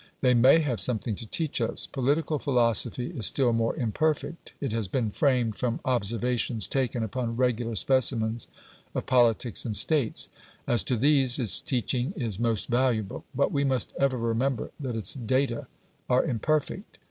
They MAY have something to teach us. Political philosophy is still more imperfect; it has been framed from observations taken upon regular specimens of politics and States; as to these its teaching is most valuable. But we must ever remember that its data are imperfect.